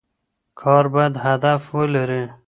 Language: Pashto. کار باید هدف ولري.